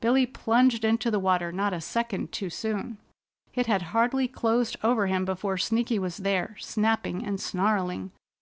Billy plunged into the water not a second too soon. It had hardly closed over him before Sneaky was there, snapping and snarling.